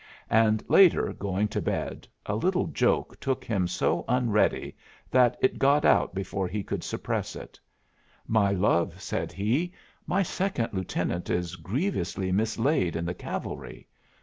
And later, going to bed, a little joke took him so unready that it got out before he could suppress it. "My love," said he, "my Second Lieutenant is grievously mislaid in the cavalry.